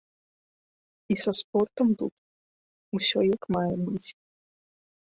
І са спортам тут усё, як мае быць.